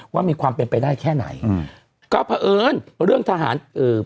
ว่ามีความเป็นไปได้แค่ไหนอืมก็เพราะเอิญเรื่องทหารเอ่อ